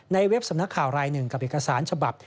เว็บสำนักข่าวรายหนึ่งกับเอกสารฉบับ